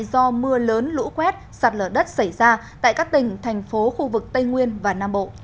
do mưa lớn lũ quét sạt lở đất xảy ra tại các tỉnh thành phố khu vực tây nguyên và nam bộ